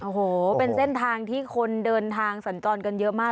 โอ้โหเป็นเส้นทางที่คนเดินทางสัญจรกันเยอะมาก